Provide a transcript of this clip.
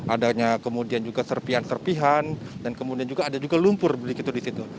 adanya kemudian juga serpian serpihan dan kemudian juga ada juga lumpur begitu di situ